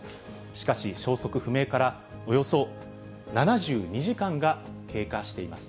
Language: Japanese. しかし、消息不明からおよそ７２時間が経過しています。